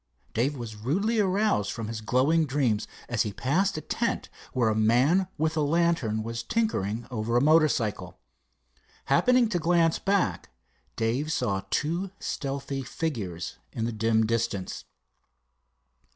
Dave was rudely aroused from his glowing dreams as he passed a tent where a man with a lantern was tinkering over a motorcycle. Happening to glance back, Dave saw two stealthy figures in the dim distance.